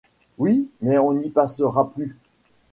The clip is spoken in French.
Oui, mais on n’y passera plus.